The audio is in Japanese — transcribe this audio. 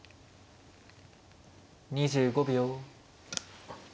２５秒。